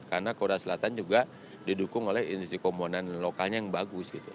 karena korea selatan juga didukung oleh industri komponen lokalnya yang bagus gitu